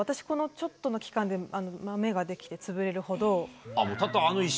このちょっとの期間でまめができて潰れるほど。